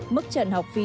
mức trần học phí